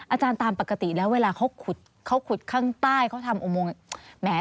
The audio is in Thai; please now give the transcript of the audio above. อาจารย์ตามปกติแล้วเวลาเขาขุดเขาขุดข้างใต้เขาทำอุโมงแหม